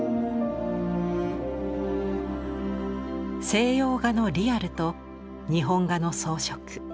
西洋画のリアルと日本画の装飾。